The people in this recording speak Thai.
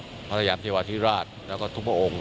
แล้วก็พระยามเทวาทิราชแล้วก็ทุ่มบาลอง